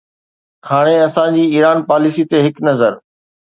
هاڻي اسان جي ايران پاليسي تي هڪ نظر.